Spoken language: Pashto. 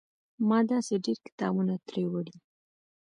ما داسې ډېر کتابونه ترې وړي.